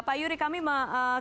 pak yury kami mau